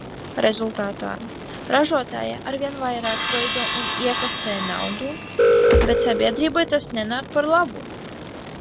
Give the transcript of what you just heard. Rezultātā, ražotāji arvien vairāk veido un iekasē naudu, bet sabiedrībai tas nenāk par labu.